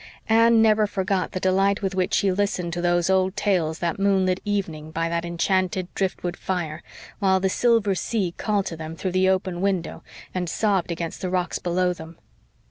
Anne never forgot the delight with which she listened to those old tales that moonlit evening by that enchanted driftwood fire, while the silver sea called to them through the open window and sobbed against the rocks below them.